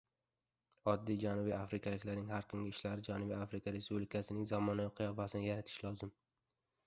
Oddiy janubiy afrikaliklarning har kungi ishlari Janubiy Afrika Respublikasining zamonaviy qiyofasini yaratishi lozim